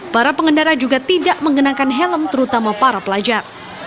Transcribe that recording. para pengendara juga tidak mengenakan helm terutama para pelajar